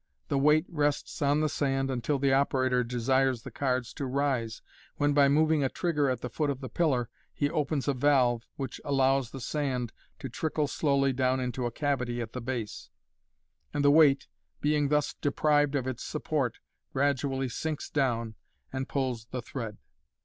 The weight rests on the sand until the operator desires the cards to rise, when, by moving a trigger at the foot of the pillar, he opens a valve, which allows the sand to trickle slowly down into a cavity at the base ; and the weight, being thus deprived of its sup port, gradually sinks down, and pulls the thread.